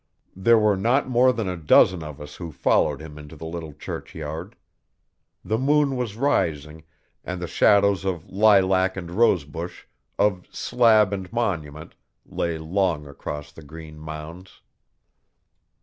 There were not more than a dozen of us who followed him into the little churchyard. The moon was rising, and the shadows of lilac and rose bush, of slab and monument lay long across the green mounds.